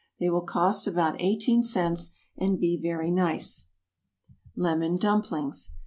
They will cost about eighteen cents, and be very nice. =Lemon Dumplings.